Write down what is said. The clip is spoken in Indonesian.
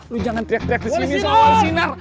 lo jangan teriak teriak disini sama wali sinar